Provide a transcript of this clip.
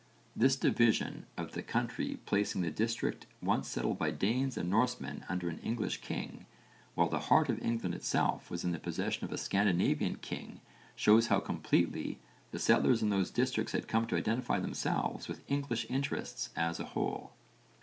This division of the country placing the district once settled by Danes and Norsemen under an English king while the heart of England itself was in the possession of a Scandinavian king shows how completely the settlers in those districts had come to identify themselves with English interests as a whole.